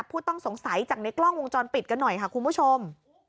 ผู้ต้องสงสัยจากในกล้องวงจรปิดกันหน่อยค่ะคุณผู้ชม